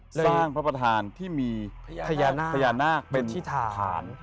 สร้างพระประธานที่มีพญานาคเป็นทิศฐาน